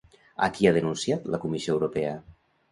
A qui ha denunciat la Comissió Europea?